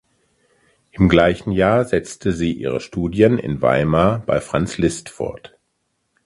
Im gleichen Jahr setzte sie ihre Studien in Weimar bei Franz Liszt fort.